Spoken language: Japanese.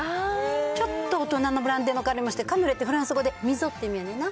ちょっと大人のブランデーの香りもして、カヌレってフランス語で溝って意味やんな。